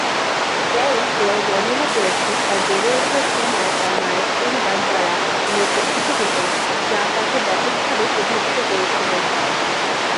Carry পরে বর্ণনা করেছেন তার বেড়ে ওঠার সময়ে তার মায়ের পরিবার দ্বারা তিনি উপেক্ষিত হতেন, যা তাকে ব্যাপকভাবে প্রভাবিত করেছিল।